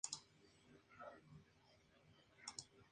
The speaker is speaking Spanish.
Las obras de regadío aun están en marcha.